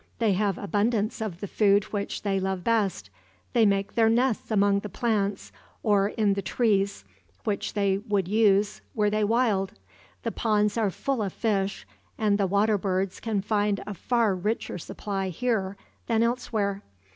They have abundance of the food which they love best. They make their nests among the plants, or in the trees which they would use, were they wild. The ponds are full of fish, and the water birds can find a far richer supply, here, than elsewhere.